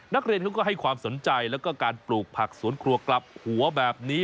นักเรียนเขาก็ให้ความสนใจแล้วก็การปลูกผักสวนครัวกลับหัวแบบนี้